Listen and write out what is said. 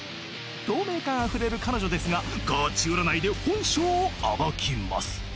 ［透明感あふれる彼女ですががち占いで本性を暴きます］